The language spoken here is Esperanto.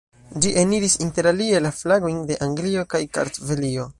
Ĝi eniris interalie la flagojn de Anglio kaj Kartvelio.